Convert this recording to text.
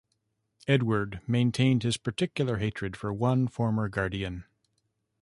Edward maintained his particular hatred for one former Guardian.